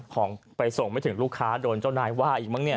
ของไปส่งไม่ถึงลูกค้าโดนเจ้านายว่าอีกมั้งเนี่ย